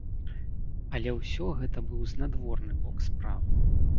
Але ўсё гэта быў знадворны бок справы.